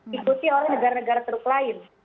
diikuti oleh negara negara teruk lain